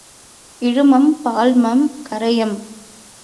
இழுமம், பால்மம், கரையம்.